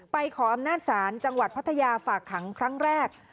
ขออำนาจศาลจังหวัดพัทยาฝากขังครั้งแรก